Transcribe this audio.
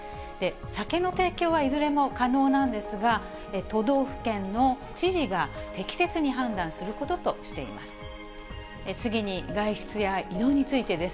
酒の提供はいずれも可能なんですが、都道府県の知事が適切に判断することとしています。